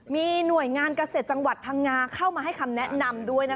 มีหน่วยงานเกษตรจังหวัดพังงาเข้ามาให้คำแนะนำด้วยนะคะ